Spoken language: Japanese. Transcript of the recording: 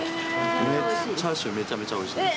チャーシューめちゃめちゃおいしいです。